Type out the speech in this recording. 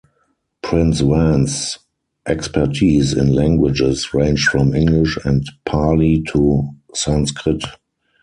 Prince Wan's expertise in languages ranged from English and Pali to Sanskrit.